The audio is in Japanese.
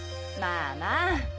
まあまあ。